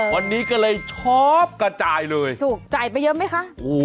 วันนี้ก็เลยช้อปกระจายเลยถูกจ่ายไปเยอะไหมคะ